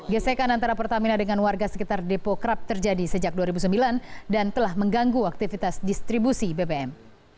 gesekan antara pertamina dengan warga sekitar depo kerap terjadi sejak dua ribu sembilan dan telah mengganggu aktivitas distribusi bbm